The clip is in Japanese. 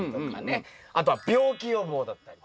あとは病気予防だったりとか。